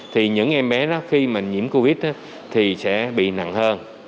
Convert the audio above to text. thì những em bé đó khi mà nhiễm covid thì sẽ bị nặng hơn